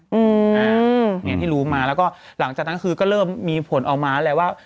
อย่างที่รู้มาแล้วก็หลังจากนั้นคือก็เริ่มมีผลออกมาแล้วว่า